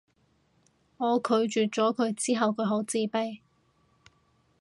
我拒絕咗佢之後佢好自卑